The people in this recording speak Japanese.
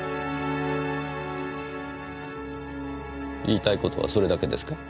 言いたいことはそれだけですか？